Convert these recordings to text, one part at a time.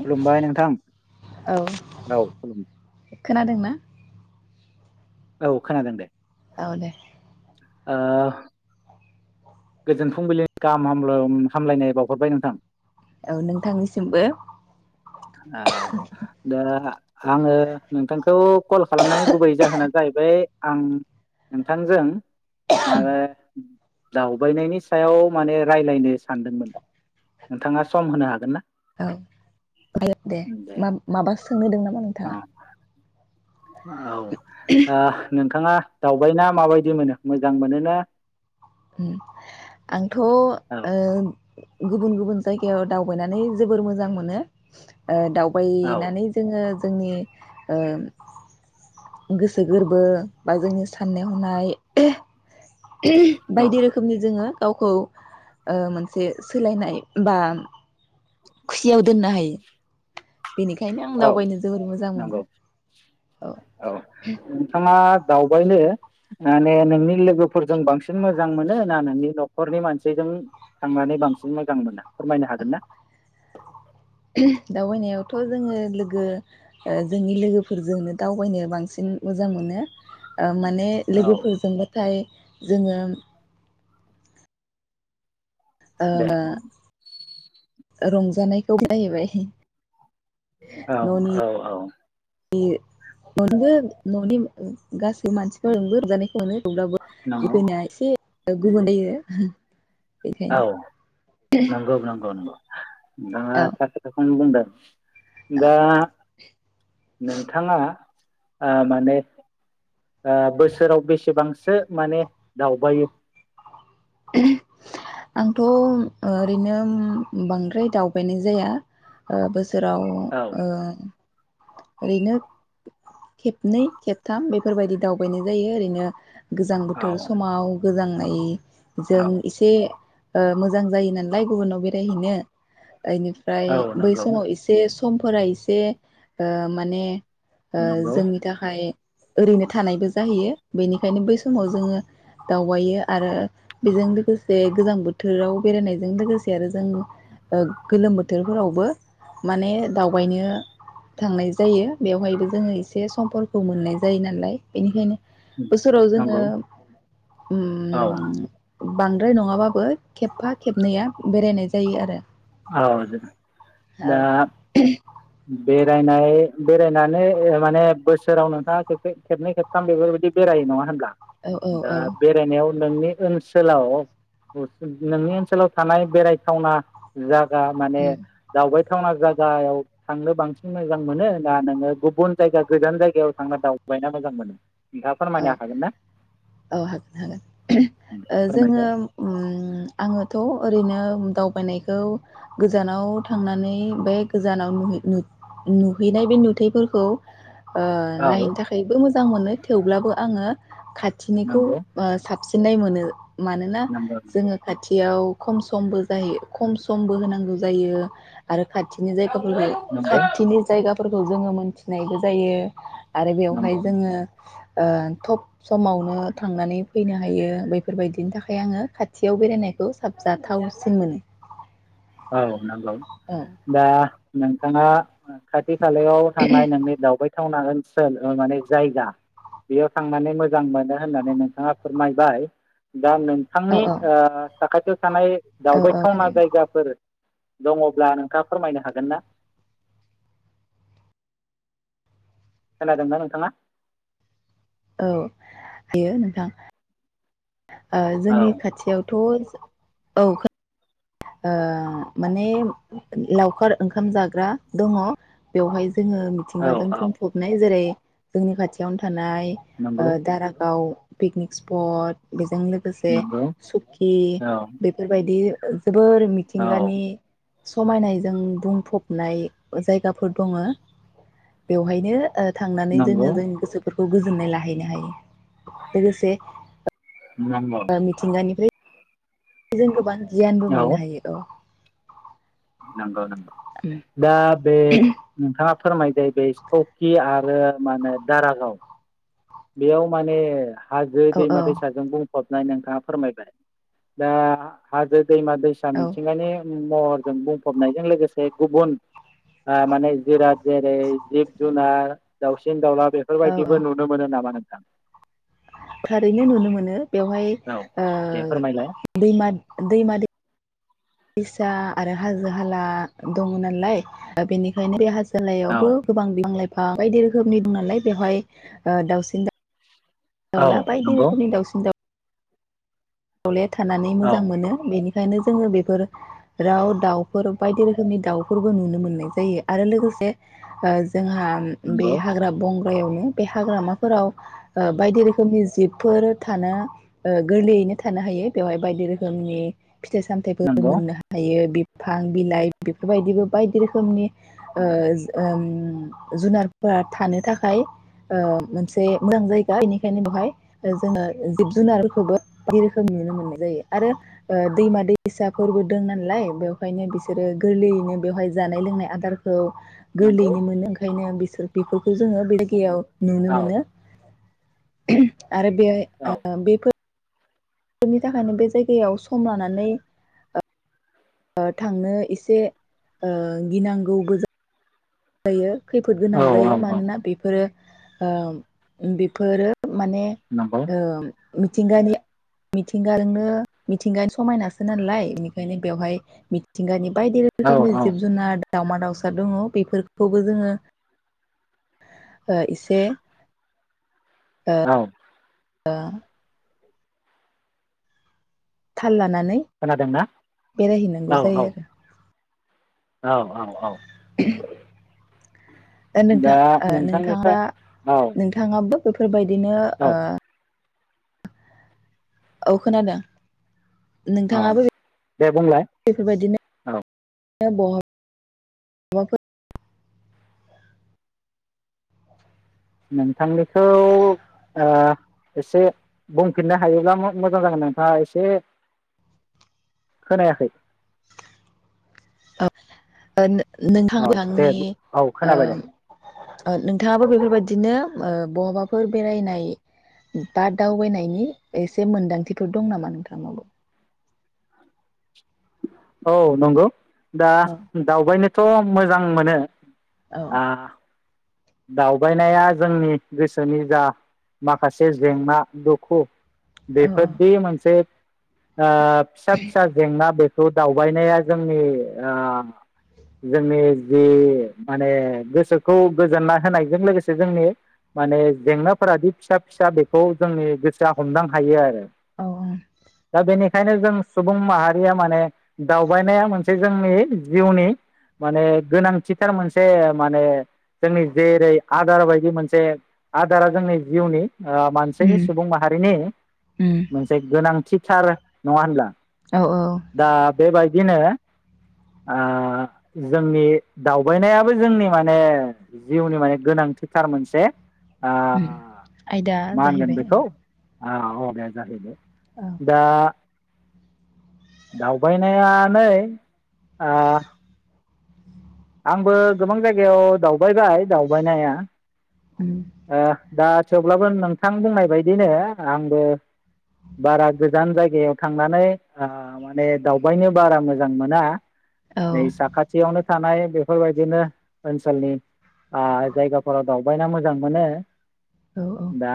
खुलुमबाय नोंथां औ खुलुमबाय खोनादों ना औ खोनादों दे औ दे आ गोजोन फुंबिलिनि गाहाम हामल हामलायनाय बावहरबाय नोंथां औ नोंथांनिसिमबो औ दा आङो नोंथांखौ कल खालामनायनि गुबै जाहोनानो जाहैबाय आं नोंथांजों [unintelligible] दावबायनायनि सायाव माने रायलायनो सानदोंमोन नोंथाङा सम होनो हागोन ना औ दे दे माबा माबा सोंनो दोङो नामा औ नोंथाङा औ आ नों थाङा दावबायना माबायदि मोनो मोजां मोनोना उम आंथ ओ औ गुबुन गुबुन जायगायाव दावबायनानै जोबोर मोजां मोनो ओ दाव औ बायनानै जोङो जोंनि ओ गोसो गोरबो बा जोंनि साननाय हनाय औ बायदि रोखोमनि जोङो गावखौ ओ मोनसे सोलायनाय बा खुसियाव दोननो हायो बेनिखायनो आं औ दावबायनो जोबोर मोजां मोनो नंगौ औ नोंथाङा दावबायनो माने नोंनि लोगोफोरजों बांसिन मोजां मोनो ना नोंनि नखरनि मानसिजों थांनानै बांसिन मोजां मोनो फोरमायनो हागोन ना दावबायनायावथ जोङो लोगो ओ जोंनि लोगोफोरजोंनो दावबायनो बांसिन मोजां मोनो आ माने औ लोगोफोरजोंबाथाय जोङो ओ दे बुं [unintelligible] रंजानायखौ [unintelligible] औ न'नि औ औ [unintelligible] ननि गासै मानसिफोर नंगौ नंगौ रंजानायखौनो। [unintelligible] औ नोंगौ नोंगौ नोंगौ। [inaudible] नोंथाङा औ थार खोथाखौनो बुंदों। [inaudible] दा नोंथाङा ओ माने ओ बोसोराव बेसेबांसो माने दावबायो? आंथ' ओ ओरैनो बांद्राय दावबायनाय जाया ओ बो सोराव औ ओ। ओरैनो खेबनै खेबथाम बेफोरबायदि दावबायनाय जायो ओरैनो। गोजां औ बोथोर समाव गोजां नाय जों औ इसे ओ मोजां जायो नालाय गुबुनाव बेरायहैनो। ओइनिफ्राय औ बै नंगौ समाव एसे समफोरा एसे ओ माने ओ नंगौ जोंनि थाखाय ओरैनो थानायबो जाहैयो। बेनिखायनो बै समाव जोङो दावबायो आरो बेजों लोगोसे गोजां बोथोराव बेरायनायजों लोगोसे आरो जों गोलोम बोथोरफोरावबो माने दावबायनो थांनाय जायो बेवहायबो जोङो एसे समफोरखौ मोननाय जायो नालाय बेनिखायनो बोसोराव जोङो नंगौ औ उम बांद्राय नङाबाबो खेबफा खेबनैया बेरायनाय जायो आरो। [unintelligible] औ। दा बेरायनाय बेरायनानै ओ माने बोसोराव नोंथाङा खेबसे खेबनै खेबथाम बेफोरबायदि बेरायो नङा होमब्ला? औ औ दा औ बेरायनायाव नोंनि ओनसोलाव नोंनि ओनसोलाव थानाय बेरायथावना जाग गा माने उम दावबाय थावना जागायाव थांनो बांसिन मोजां मोनो ना नोङो गुबुन जायगा गोजान जायगायाव थांना दावबायना मोजां मोनो। औ फोरमायनो हागोन ना औ हागोन हागोन ओ फोरमायदो जोङो ओम आङोथ ओरैनो दावबायनायखौ गोजानाव थांनानै बे गोजानाव नुहै- नु-नुहैनाय बे नुथायफोरखौ ओ औ नायहैनो थाखायबो मोजां मोनो। दाबो आङो खाथिनिखौ नंगौ ओ साब सिन्नाय मोनो। मानोना नंगौ नंगौ जोङो खाथियाव खम समबो जायो खम समबो होनांगौ जायो आरो खाथिनि जाय [unintelligible] नंगौ खाथिनि जायगा फोरखौ जोङो मोनथिनायबो जायो। आरो बेवहाय नंगौ जोङो नंगौ ओ थब समावनो थांनानै फैनो हायो बैफोरबायदिनि थाखाय आङो खाथियाव बेरायनायखौ साबजाथावसिन मोनो। औ नंगौ औ दा नों थाङा ओ खाथि खालायाव थानाय नोंनि दावबाय थावना ओनसोल ओ माने जायगा बेयाव थांनानै मोजां मोनो होननानै नोंथाङा फोरमायबाय। दा औ नोंथांनि औ ओ [unintelligible] थानाय औ औ दावबायथावना थारैनो जायगाफोर दङब्ला नोंथाङा फोरमायनो हागोनना? खोनादोंना नोंथाङा? औ हायो नोंथां ओ जोंनि औ खाथियावथ' औ खो ओ माने लाव खार ओंखाम जाग्रा दङ बेवहाय जोङो औ मिथिंगाजों औ बुंफबनाय जेरै जोंनि खाथियावनो था थानाय ओ नंगौ दारागाव पिकनिक स्पट बे जों लोगोसे नंगौ सुकि औ बेफोरबायदि औ जोबोर औ मिथिंगानि समायनायजों बुंफबनाय जायगाफोर दङ बेवहायनो- ओ थांनानै नंगौ जोङो जोंनि गोसोफोर खौ गोजोननाय लाहैनो हायो लोगोसे ओ नंगौ मिथिंगानिफ्राय बेजों गोबां गियानबो मोननो हायो औ नंगौ नंगौ दा बे नोंथाङा फोरमाय बाय बाय सकि आरो मा होनो दारागाव बेयाव माने हाजो औ दैमा दैसाजोंबो हबनानै नोंथाङा फोरमायबाय दा हाजो दैमा दैसा औ मिथिंङानि महर जों बुंफबनायजों लोगोसे गुबुन ओ माने जेरा जिरै जिब जुनार दावसिन दावला औ औ बेफोरबायदिबो नुनो मोनो नाम मा नोंथां थारैनो नुनो मोनो बेवहाय औ दे ओ फोरमायलाय दैमा दैमा दै दैसा आरो हाजो हाला दङ नालाय दा बेनिखायनो बे हाजो औ लायावबो गोबां बिबां लाय फा बायदि रोखोमनि दं नालाय बेवहाय ओ दाउसिन दाउ औ दाउला बायदि नंगौ रोखोमनि दावसिन दाउ [unintelligible] थानानै औ मोजां मोनो बेनि खायनो जोङो बेफोर राव दाउफोर बायदि रोखोमनि दाउफोरबो नुनो मोननाय जायो आरो लोगोसे ओ जोंहा बे नंगौ हाग्रा बंग एवनो बे हाग्रामाफोराव ओ बायदि रोखोमनि जिबफोर थानो ओ गोरलैयैनो थानो हायो बेवहाय बायदि रोखोमनि फिथाइ सामथायाइफोर नंगौ मोननो हायो बि फां बिलाइ बेफोरबायदिबो बायदि रोखोमनि ओ ओम जुनारफोरा थानो थाखाय ओ मोनसे मोजां जायगा बेनिखायनो बेवहाय जोङो जिब जुनारखौबो बिदि रोखोम नुनो मोननाय जायो आरो ओ दैमा दैसाफोरबो दं नालाय बेवहायनो बिसोरो गोरलैयैनो बेवहाय जानाय लोंनाय आदारखौ नंगौ गोरलैनो मोनो ओंखायनो बिसोर खौ जोङो बे जायगायाव नुनो औ मोनो [inaudible] आरो बे औ ओ बेफोर बेनि थाखायनो बे जायगायाव सम लानानै ओ ओ थांनो एसे ओ गिनांगौ गोजा जायो खैफोद गोनां औ जायो औ औ मानोना बेफोरो ओ बेफोरो माने नंगौ मिथिंगानि मिथिंगाजोंनो मिथिंगानि समायनासो नालाय बेनिखायनो बेवहाय मिथिंगानि बायदि औ रोखोमनि औ जिब जुनार दावमा दाावसा दङ बेफोरखौ खौबो जोङो एसे औ दा [unintelligible] [unintelligible] खोनादोंना औ बेरायहैनांगौ जायो औ आरो औ औ औ [inaudible] द नोंथां दा नोंथांनिफ्राय नोंथाङा औ नोंथाङाबो बेफोर बायदि दिनो ओ औ औ खोनादों। औ नोंथाङाबो दे बुंलाय बेफोरबायदिनो औ बहाबाफोर नोंथांनिखौ ओ एसे बुंफिननो हायोब्ला मोजां जागोन नोंथाङा एसे खोनायाखै। ओ औ दे नोंथांनि औ ओ खोनाबाय दे नोंथाङाबो बेफोरबायदिनो ओ बहाबाफोर बेरायनाय बा दावबायनायनि एसे मोन्दांथिफोर दं नामा नोंथां नावबो? औ नंगौ। दा औ दावबायनो थ मोजां मोनो। औ आ दावबायनाया जोंनि गोसोनि जा माखासे जेंना, दुखु औ औ बेफोरदि मोनसे ओ फिसा फिसा जेंना बे खौ दावबायनाया जोंनि ओ जोंनि जि माने गोसोखौ गोजोननाय होनायजों लोगोसे जोंनि माने जेंनाफोरादि फिसा फिसा बेखौ जोंनि गोसोआ हमदां हायो आरो। औ उम दा बेनि खायनो जों सुबुं माहारिया माने दावबायनाया मोनसे जोंनि जिउनि माने गोनांथिथार मोनसे माने जोंनि जेरै आदार बायदि मोनसे आदारा जोंनि जिउनि ओ मानसिनि सुबुं माहारिनि उम मोनसे गोनांथि सार नङा होनब्ला? औ औ दा बे बाय दिनो ओ जोंनि दावबायनायाबो जोंनि माने जिउनि माने गोनांथिथार मोनसे उम आयदा जाहैबाय आ औ आयदा जाहैबाय औ दा दावबायनाया नै ओ आंबो गोबां जायगायाव दावबायबाय दावबायनाया। उम ओ दा थेवब्लाबो नोंथां बुंनाय बायदिनो आंबो बारा गोजान जायगायाव थांनानै ओ माने दावबायनो बारा मोजां मोना। औ नै साखाथियावनो थानाय बे फोरबायदिनो ओनसोलनि ओ जायगा फोराव दाव बायना मो जां मोनो। औ औ दा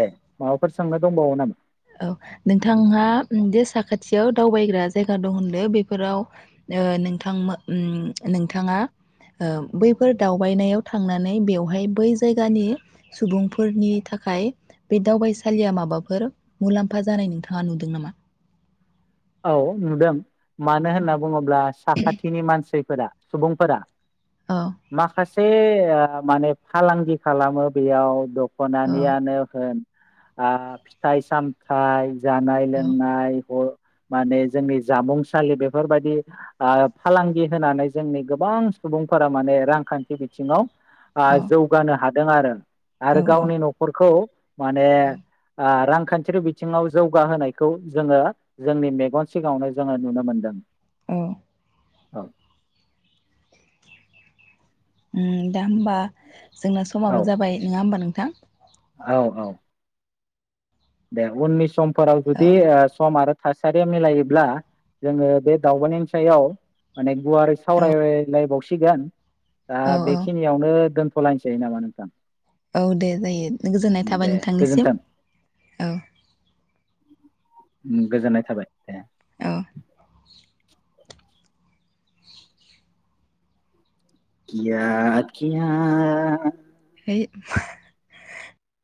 दे माबाफोर सोंना दंबावो नामा? औ नोंथाङा जे साखाथियाव दावबायग्रा जायगा दं होनदों बेफोराव ओ नोंथां नोंथाङा ओ बैफोर दावबायनायाव थांनानै बेवहाय बै जायगानि सुबुंफोरनि थाखाय बे दावबायसालिया माबाफोर मुलाम्फा जानाय नोंथाङा नुदों नामा? औ नुदों। मानो होनना बुङोब्ला साखाथिनि मानसि फोरा सुबुंफोरा औ माखासे से माने फालांगि खालामो बेयाव दख औ दख'नानियानो होन आ फिथाइ-सामथाइ औ जानाय-लोंनाय माने जोंनि जामुंसालि बेफोरबायदि ओ फालांगि होनानै जोंनि गोबां सुबुंफोरा माने रांखान्थि बिथिङाव आ जौगानो हाद दों आरो। औ आरो औ गावनि न'खरखौ माने ओ रां रांखान्थिारि बिथिङाव जौगाहोनायखौ जोङो जोंनि मेगन सिगाङावनो जोङो नुनो मोनदों। उम औ [inaudible] उम दा होमबा जोंना औ समाबो जाबाय नङा होमबा नों थां औ औ। दे उननि सम फोराव औ जुदि ओ सम आरो थासारिया मिलायोब्ला जोङो बे दावबायनायनि सायाव माने गुवारै सावरायलायबावसिगोन दा औ औ बेखिनियावनो दोन दोनथ'लायनोसै नामा नोंथां? औ दे जायो गोजोननाय थाबाय दे नोंथांनिसिम। गोजोन्थों औ। उम गोजोननाय थाबाय। दे औ [inaudible] [unintelligible] होय मा